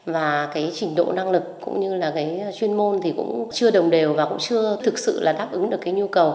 và trình độ năng lực cũng như chuyên môn cũng chưa đồng đều và cũng chưa thực sự đáp ứng được nhu cầu